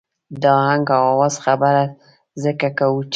د آهنګ او آواز خبره ځکه کوو چې.